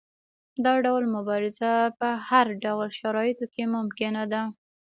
دا ډول مبارزه په هر ډول شرایطو کې ممکنه ده.